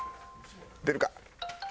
出るか？